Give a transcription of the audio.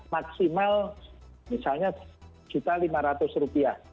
maksimal misalnya rp satu lima ratus rupiah